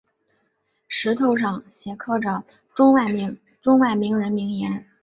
石头上镌刻着中外名人名言。